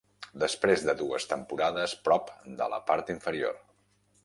Després de dues temporades prop de la part inferior.